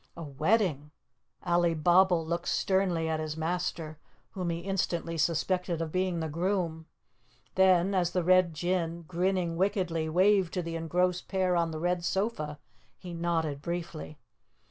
"A wedding?" Alibabble looked sternly at his master, whom he instantly suspected of being the groom, then as the Red Jinn, grinning wickedly, waved to the engrossed pair on the red sofa, he nodded briefly.